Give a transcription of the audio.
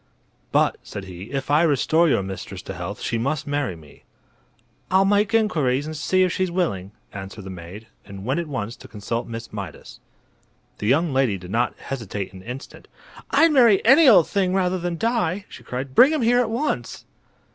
"But," said he, "if I restore your mistress to health she must marry me." "I'll make inquiries and see if she's willing," answered the maid, and went at once to consult Miss Mydas. The young lady did not hesitate an instant. "I'd marry any old thing rather than die!" she cried. "Bring him here at once!"